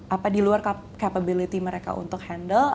apa di luar capability mereka untuk handle